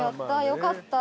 よかった。